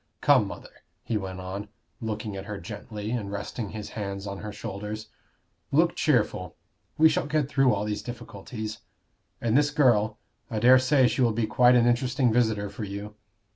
Come, mother," he went on, looking at her gently, and resting his hands on her shoulders, "look cheerful. We shall get through all these difficulties. And this girl I dare say she will be quite an interesting visitor for you.